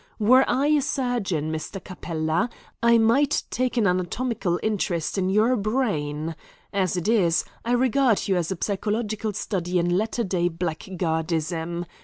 Were I a surgeon, Mr. Capella, I might take an anatomical interest in your brain. As it is, I regard you as a psychological study in latter day blackguardism.